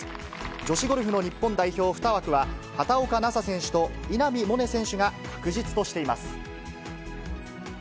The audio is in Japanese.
女子ゴルフの日本代表２枠は、畑岡奈紗選手と稲見萌寧選手が確実としています。